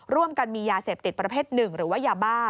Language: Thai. ร่วมกันมียาเสพติดประเภทหนึ่งหรือว่ายาบ้า